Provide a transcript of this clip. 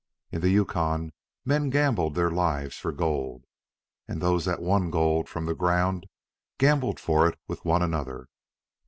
In the Yukon men gambled their lives for gold, and those that won gold from the ground gambled for it with one another.